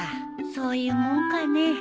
そういうもんかね。